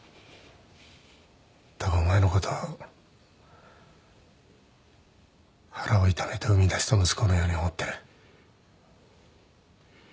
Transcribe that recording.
だがお前のこと腹を痛めて産み出した息子のように思ってる。